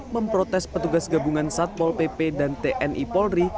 memprotes petugas gabungan satpol pp dan tni polri